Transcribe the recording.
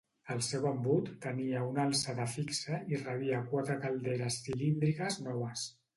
El seu embut tenia una alçada fixa i rebia quatre calderes cilíndriques noves.